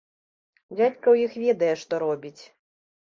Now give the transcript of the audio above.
Дзядзька ў іх ведае, што робіць!